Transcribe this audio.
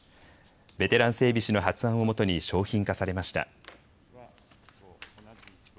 ベテラン整備士の発案をもとに商品化されました。